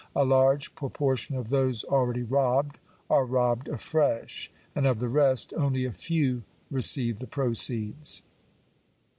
A large propor tion of those already robbed are robbed afresh. And of the rest, only a few receive the proceeds.